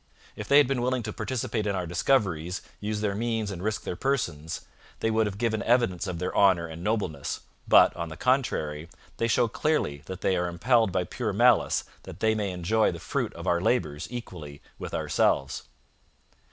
If they had been willing to participate in our discoveries, use their means and risk their persons, they would have given evidence of their honour and nobleness, but, on the contrary, they show clearly that they are impelled by pure malice that they may enjoy the fruit of our labours equally with ourselves.'